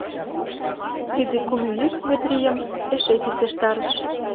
Тиде кум йӱк Метрийым эше писештарыш.